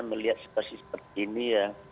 melihat situasi seperti ini ya